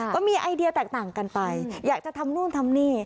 ก็มีไอเดียแตกต่างกันไปอยากจะทำนู่นทำนี่